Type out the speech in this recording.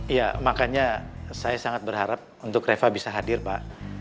iya makanya saya sangat berharap untuk reva bisa hadir pak